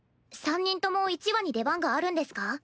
３人とも１話に出番があるんですか？